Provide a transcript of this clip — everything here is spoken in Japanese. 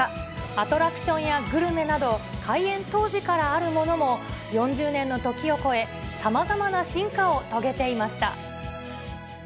アトラクションやグルメなど、開園当時からあるものも、４０年の時を超え、さまざまな進化を遂げていました。